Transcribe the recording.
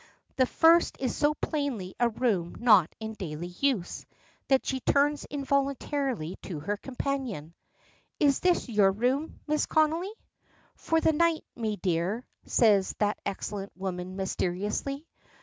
The first is so plainly a room not in daily use, that she turns involuntarily to her companion. "Is this your room, Mrs. Connolly?" "For the night, me dear," says that excellent woman mysteriously.